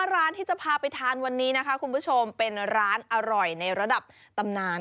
ร้านที่จะพาไปทานวันนี้นะคะคุณผู้ชมเป็นร้านอร่อยในระดับตำนาน